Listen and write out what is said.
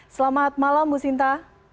selamat malam bu sinta